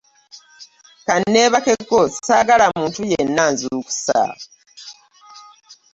Kanneebakeko saagala muntu yenna anzuukusa.